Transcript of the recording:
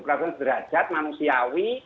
perlakuan sederajat manusiawi